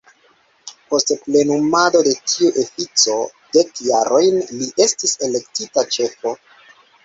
Post plenumado de tiu ofico dek jarojn li estis elektita ĉefo.